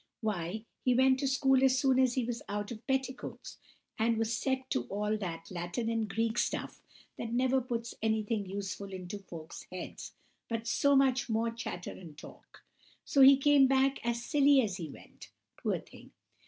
Why, he went to school as soon as he was out of petticoats, and was set to all that Latin and Greek stuff that never puts anything useful into folks' heads, but so much more chatter and talk; so he came back as silly as he went, poor thing!